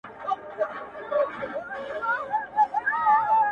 دا اوښکي څه دي دا پر چا باندي عرضونه کوې؟،